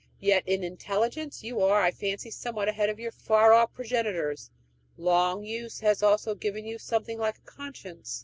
Yet in intelligence you are, I fancy, somewhat ahead of your far off progenitors: long use has also given you something like a conscience.